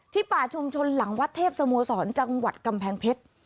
ป่าชุมชนหลังวัดเทพสโมสรจังหวัดกำแพงเพชร